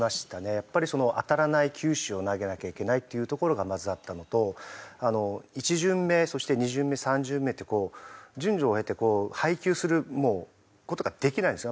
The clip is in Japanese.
やっぱり当たらない球種を投げなきゃいけないっていうところがまずあったのと１巡目そして２巡目３巡目ってこう順序を経て配球する事ができないんですよ